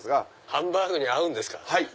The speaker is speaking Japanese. ハンバーグに合うんですか？